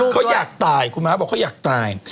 เขาอยากตาย